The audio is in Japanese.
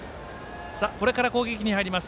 これから攻撃に入ります